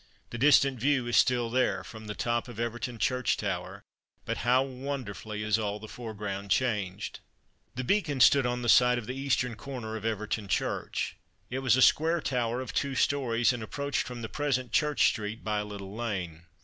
The distant view is still there, from the top of Everton church tower, but how wonderfully is all the foreground changed. The Beacon stood on the site of the eastern corner of Everton church. It was a square tower of two stories, and approached from the present Church street by a little lane.